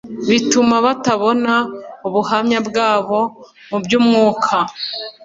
bituma batabona ubuhamya bwabo mu by'umwuka.